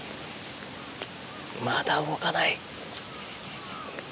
まだ動かない。